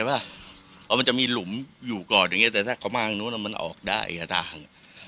เพราะมันจะมีหลุมอยู่ก่อนอย่างเงี้แต่ถ้าเขามาทางนู้นมันออกได้ทาง